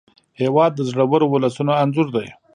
هېواد د زړورو ولسونو انځور دی.